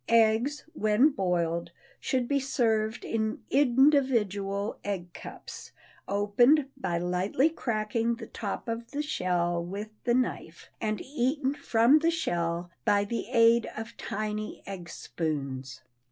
Eggs, when boiled, should be served in individual egg cups, opened by lightly cracking the top of the shell with the knife, and eaten from the shell by the aid of tiny egg spoons.